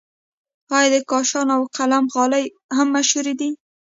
آیا د کاشان او قم غالۍ هم مشهورې نه دي؟